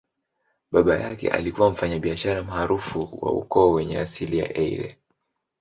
Baba yake alikuwa mfanyabiashara maarufu wa ukoo wenye asili ya Eire.